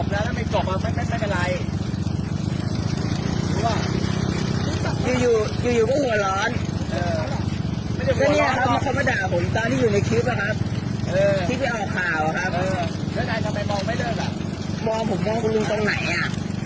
ด้านไหนทำไมมองไม่เริกอ่ะมองผมมองคุณลุงตรงไหนอ่ะ